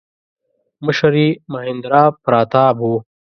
مشر یې مهیندراپراتاپ و.